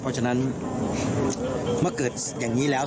เพราะฉะนั้นเมื่อเกิดอย่างนี้แล้ว